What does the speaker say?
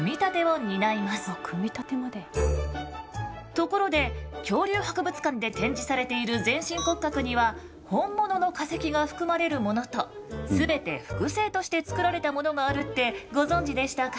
ところで恐竜博物館で展示されている全身骨格には本物の化石が含まれるものとすべて複製として作られたものがあるってご存じでしたか？